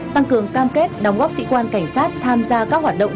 tăng cường cam kết đóng góp sĩ quan cảnh sát tham gia các hoạt động